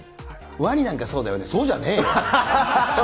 ワニなんかそうだよね、そうじゃねえよ！